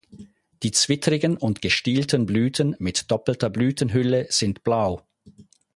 Die zwittrigen und gestielten Blüten mit doppelter Blütenhülle sind blau.